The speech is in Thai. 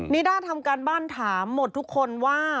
นิด้าทำการบ้านถามหมดทุกคนว่า